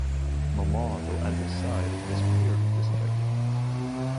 Mamah, though at his side, is clearly disaffected.